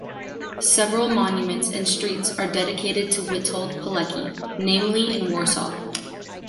Several monuments and streets are dedicated to Witold Pilecki, namely in Warsaw.